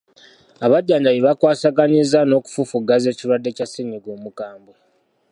Abajjanjabi bakwasaganyizza n'okufufugaza ekirwadde kya ssennyiga omukambwe.